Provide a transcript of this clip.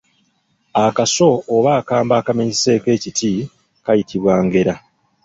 Akaso oba akambe akamenyeseeko ekiti kayitibwa ngera.